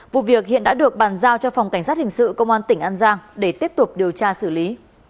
vụ việc hiện đã được bàn giao cho phòng cảnh sát hình sự công an tỉnh an giang để tiếp tục điều tra xử lý